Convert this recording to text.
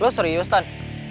lu serius tan